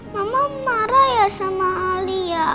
mama marah ya sama alia